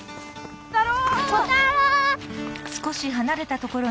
小太郎！